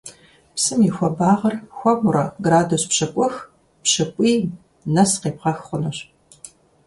Псым и хуабагъыр хуэмурэ градус пщыкӀух – пщыкӀуийм нэс къебгъэх хъунущ.